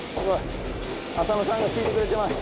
浅野さんが聞いてくれてます。